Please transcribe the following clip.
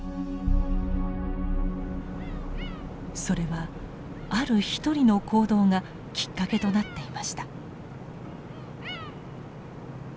それはある一人の行動がきっかけとなっていました。